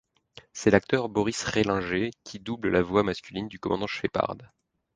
C'est l'acteur Boris Rehlinger qui double la voix masculine du Commandant Shepard.